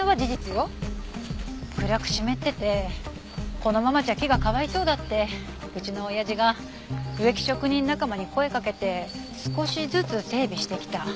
暗く湿っててこのままじゃ木がかわいそうだってうちのおやじが植木職人仲間に声かけて少しずつ整備してきた。